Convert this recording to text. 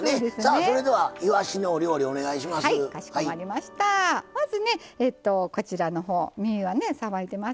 それではいわしのお料理をお願いします。